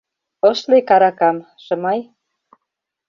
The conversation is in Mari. — Ыш лек аракам, Шымай.